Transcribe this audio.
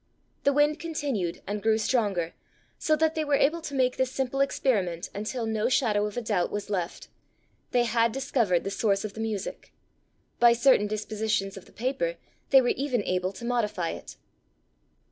The wind continued, and grew stronger, so that they were able to make the simple experiment until no shadow of a doubt was left: they had discovered the source of the music! By certain dispositions of the paper they were even able to modify it.